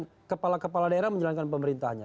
dan kepala kepala daerah menjalankan pemerintahnya